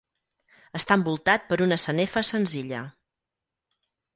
Està envoltat per una sanefa senzilla.